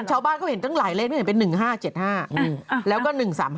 แต่ชาวบ้านเขาเห็นตั้งหลายเลขเป็น๑๕๗๕แล้วก็๑๓๕